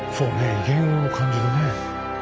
威厳を感じるね。